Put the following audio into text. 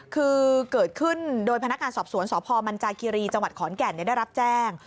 คือเกิดขึ้นโดยพนักงานสอบสวนสพมันจาคิรีจังหวัดขอนแก่นได้รับแจ้ง